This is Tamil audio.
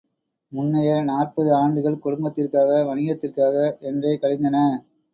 முன்னைய நாற்பது ஆண்டுகள் குடும்பத்திற்காக, வணிகத்திற்காக என்றே கழிந்தன.